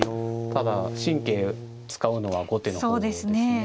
ただ神経使うのは後手の方ですね。